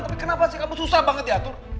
tapi kenapa sih kamu susah banget diatur